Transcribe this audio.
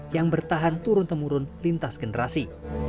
yang bertahan turun temurun lintas generasi